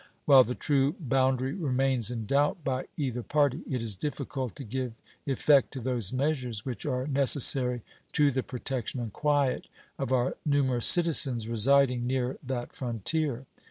While the true boundary remains in doubt by either party it is difficult to give effect to those measures which are necessary to the protection and quiet of our numerous citizens residing near that frontier.